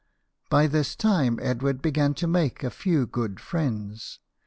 By this time Edward began to make a few good friends.